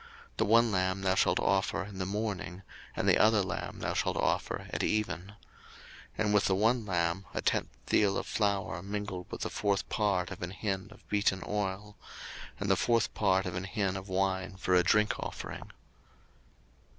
02:029:039 The one lamb thou shalt offer in the morning; and the other lamb thou shalt offer at even: 02:029:040 And with the one lamb a tenth deal of flour mingled with the fourth part of an hin of beaten oil; and the fourth part of an hin of wine for a drink offering.